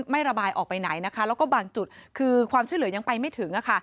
ไม่ระบายออกไปไหนนะคะแล้วก็บางจุดคือความช่วยเหลือยังไปไม่ถึง